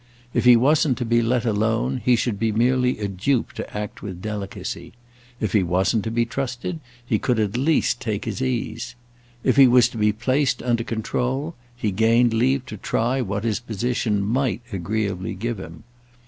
If he wasn't to be let alone he should be merely a dupe to act with delicacy. If he wasn't to be trusted he could at least take his ease. If he was to be placed under control he gained leave to try what his position might agreeably give him.